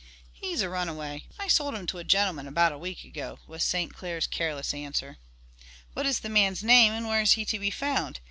"He's a runaway. I sold him to a gentleman about a week ago," was St. Clair's careless answer. "What is the man's name, and where is he to be found?